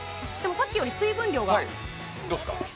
さっきより水分量が。